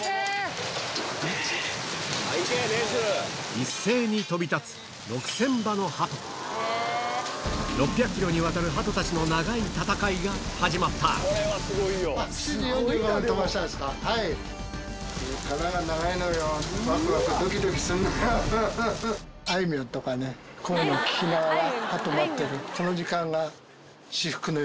・一斉に飛び立つ６００ｋｍにわたる鳩たちの長い戦いが始まった聴きながら。